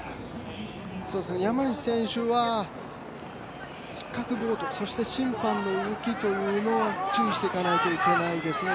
山西選手は失格ボード、審判の動きというのは注意しないといけないですね。